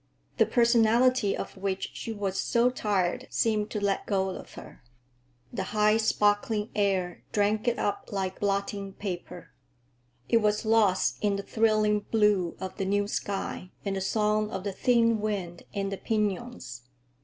The personality of which she was so tired seemed to let go of her. The high, sparkling air drank it up like blotting paper. It was lost in the thrilling blue of the new sky and the song of the thin wind in the piñons.